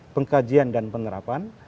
lembaga pengkajian dan penelitian